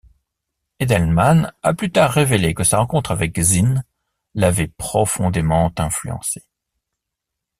Edelman a plus tard révélé que sa rencontre avec Zinn l'avait profondément influencée.